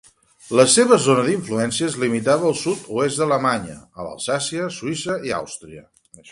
La seva zona d'influència es limitava al sud-oest d'Alemanya, a Alsàcia, Suïssa i Àustria.